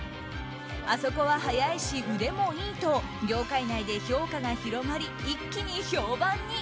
あそこは早いし、腕もいいと業界内で評価が広まり一気に評判に。